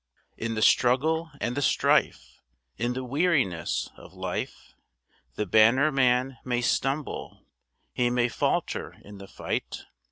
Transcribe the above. In the struggle and the strife, In the weariness of life, The banner man may stumble, He may falter in the fight.